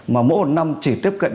mà mỗi một năm chỉ tiếp cận